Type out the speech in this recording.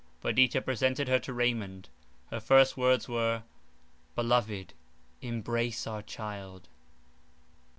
Perdita presented her to Raymond; her first words were: "Beloved, embrace our child!"